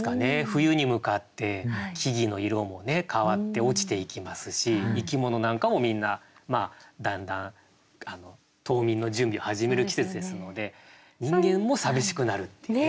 冬に向かって木々の色も変わって落ちていきますし生き物なんかもみんなだんだん冬眠の準備を始める季節ですので人間も寂しくなるっていうね。